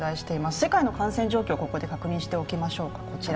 世界の感染状況を確認しておきましょう。